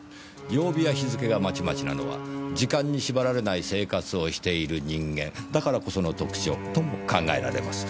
曜日や日付がまちまちなのは時間に縛られない生活をしている人間だからこその特徴とも考えられます。